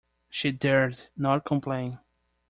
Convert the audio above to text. She dared not complain.